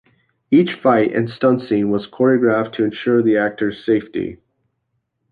Each fight and stunt scene was choreographed to ensure the actors' safety.